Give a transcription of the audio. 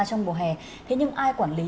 trong mùa hè thế nhưng ai quản lý